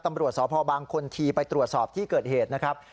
ตำรวจสพบางคนทีไปตรวจสอบที่เกิดเหตุนะครับ